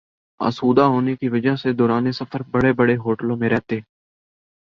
آسودہ ہونے کی وجہ سے دوران سفر بڑے بڑے ہوٹلوں میں رہتے